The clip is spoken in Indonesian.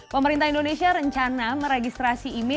pemerintah indonesia rencana meregistrasi ini